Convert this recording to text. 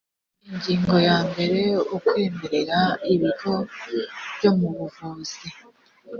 ingingo ya mbere ukwemerera ibigo byo mu buvuzi